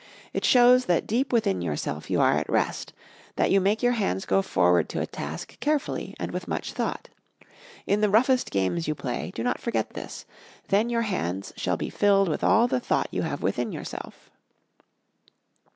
It shows that deep within yourself you are at rest, that you make your hands go forward to a task carefully and with much thought. In the roughest games you play do not forget this; then your hands shall be filled with all the thought you have within yourself."